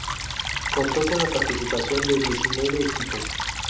Contó con la participación de diecinueve equipos.